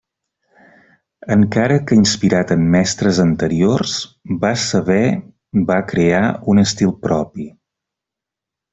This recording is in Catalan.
Encara que inspirat en mestres anteriors va saber va crear un estil propi.